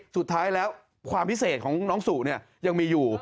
สุดท้ายแล้วความพิเศษของน้องสู่เนี่ยยังมีอยู่